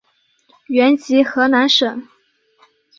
原籍河南省。